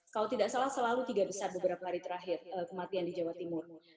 kalau tidak salah selalu tiga besar beberapa hari terakhir kematian di jawa timur